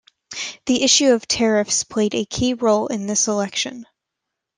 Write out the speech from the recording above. The issue of tariffs played a key role in this election.